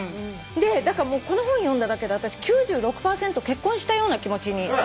でだからもうこの本読んだだけであたし９６％結婚したような気持ちになってるの今。